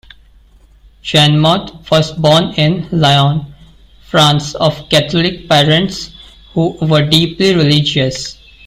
Janmot was born in Lyon, France of Catholic parents who were deeply religious.